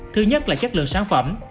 thứ nhất là chất lượng sản phẩm